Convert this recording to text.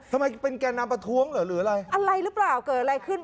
ทำไมเป็นแก่นำประท้วงเหรอหรืออะไรอะไรหรือเปล่าเกิดอะไรขึ้น